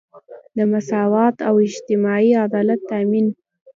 د مساوات او اجتماعي عدالت تامین.